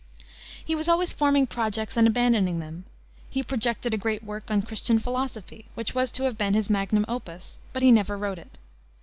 He was always forming projects and abandoning them. He projected a great work on Christian philosophy, which was to have been his magnum opus, but he never wrote it.